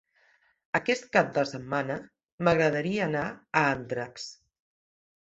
Aquest cap de setmana m'agradaria anar a Andratx.